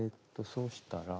そうしたら。